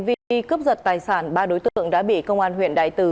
còn liên quan đến hành vi cướp giật tài sản ba đối tượng đã bị công an huyện đại từ